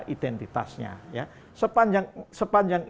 identitasnya ya sepanjang